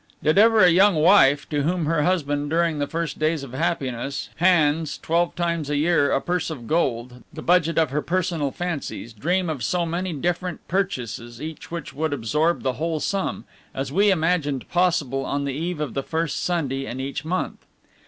Did ever a young wife, to whom her husband, during the first days of happiness, hands, twelve times a year, a purse of gold, the budget of her personal fancies, dream of so many different purchases, each of which would absorb the whole sum, as we imagined possible on the eve of the first Sunday in each month?